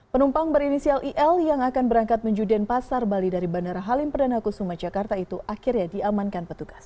penumpang berinisial il yang akan berangkat menjudian pasar bali dari bandara halim perdana kusuma jakarta itu akhirnya diamankan petugas